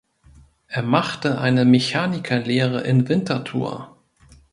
Er machte eine Mechanikerlehre in Winterthur.